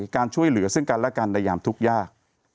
การช่วยเหลือซึ่งกันและกันในยามทุกข์ยาก